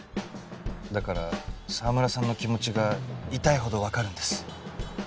だから澤村さんの気持ちが痛いほどわかるんです。